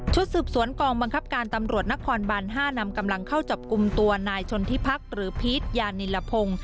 สืบสวนกองบังคับการตำรวจนครบัน๕นำกำลังเข้าจับกลุ่มตัวนายชนทิพักษ์หรือพีชยานิลพงศ์